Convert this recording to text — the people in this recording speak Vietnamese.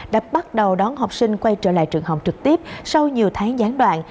đã bắt đầu đón học sinh quay trở lại trường học trực tiếp sau nhiều tháng gián đoạn